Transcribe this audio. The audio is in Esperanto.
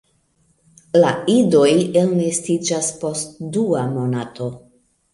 La idoj elnestiĝas post dua monato.